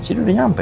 sini udah nyampe